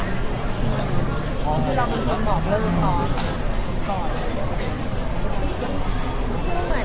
พี่ลองบอกเรื่องก่อน